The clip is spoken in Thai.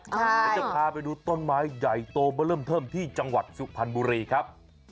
เดี๋ยวจะพาไปดูต้นไม้ใหญ่โตมาเริ่มเทิมที่จังหวัดสุพรรณบุรีครับ